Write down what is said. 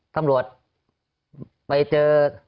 ตำรวจไปเจอ